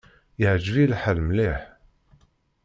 Iɛǧeb-iyi lḥal mliḥ.